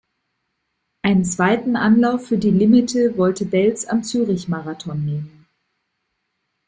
Einen zweiten Anlauf für die Limite wollte Belz am Zürich-Marathon nehmen.